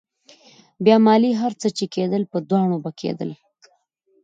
بيا مالې هر څه چې کېدل په دواړو به کېدل.